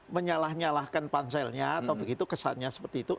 menyalah nyalahkan panselnya atau begitu kesannya seperti itu